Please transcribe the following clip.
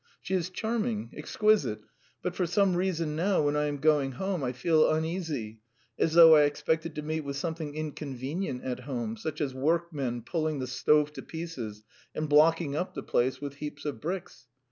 She is charming exquisite, but for some reason now when I am going home, I feel uneasy, as though I expected to meet with something inconvenient at home, such as workmen pulling the stove to pieces and blocking up the place with heaps of bricks.